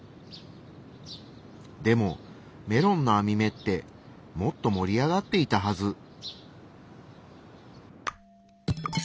でもメロンの網目ってもっと盛り上がっていたはず。